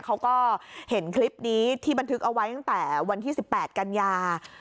เขาก็เห็นคลิปนี้ที่บันทึกเอาไว้ตั้งแต่วันที่๑๘กันยา